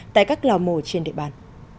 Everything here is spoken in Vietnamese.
tại các lào mổ trên địa bàn